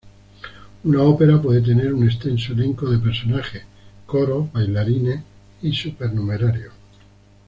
Una ópera puede tener un extenso elenco de personajes, coros, bailarines y supernumerarios.